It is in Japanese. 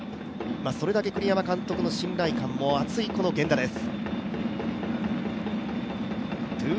それだけ栗山監督の信頼感も厚い源田です。